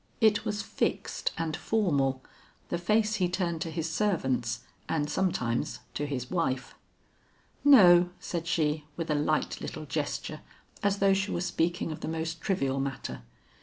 It was fixed and formal, the face he turned to his servants and sometimes to his wife. "No," said she, with a light little gesture as though she were speaking of the most trivial matter.